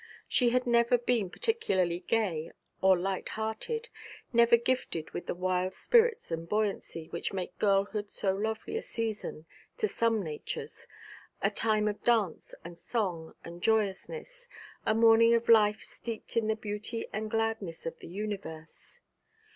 She had never been particularly gay or light hearted, never gifted with the wild spirits and buoyancy which make girlhood so lovely a season to some natures, a time of dance and song and joyousness, a morning of life steeped in the beauty and gladness of the universe.